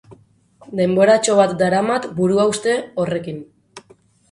Denboratxo bat daramat buruhauste horrekin.